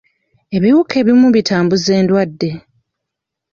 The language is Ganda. Ebiwuka ebimu bitambuza endwadde.